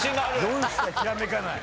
４しかひらめかない。